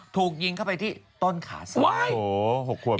ถูกยิงเข้าไปที่ต้นขาซ้าย๖ขวบ